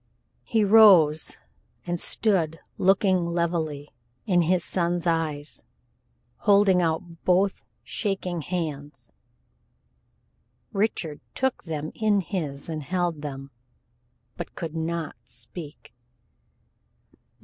He rose and stood looking levelly in his son's eyes, holding out both shaking hands. Richard took them in his and held them but could not speak.